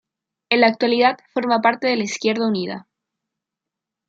En la actualidad forma parte de Izquierda Unida.